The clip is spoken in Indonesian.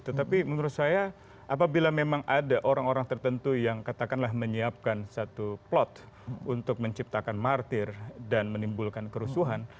tetapi menurut saya apabila memang ada orang orang tertentu yang katakanlah menyiapkan satu plot untuk menciptakan martir dan menimbulkan kerusuhan